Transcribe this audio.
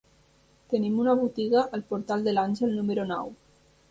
Tenim una botiga al Portal de l'Àngel número nou.